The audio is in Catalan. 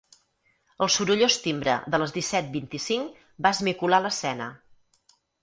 El sorollós timbre de les disset vint-i-cinc va esmicolar l'escena.